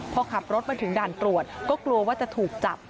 พอขับรถมาถึงด่านตรวจก็กลัวว่าจะถูกจับ